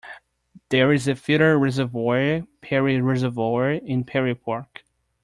There is a feeder reservoir, Perry Reservoir, in Perry Park.